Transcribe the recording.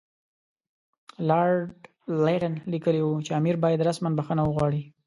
لارډ لیټن لیکلي وو چې امیر باید رسماً بخښنه وغواړي.